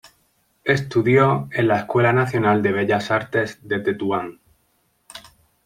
Estudió en la Escuela Nacional de Bellas Artes de Tetuán.